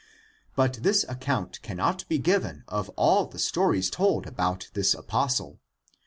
But this ac count cannot be given of all the stories told about this apos tle.